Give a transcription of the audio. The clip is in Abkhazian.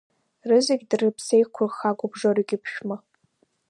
Рызегь дрыԥсеиқәырхагоуп Жорик иԥшәма.